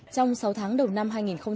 trong sáu tháng đầu năm hai nghìn một mươi năm